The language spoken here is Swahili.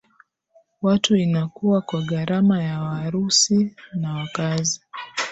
watu inakua kwa gharama ya Warusi na wakaazi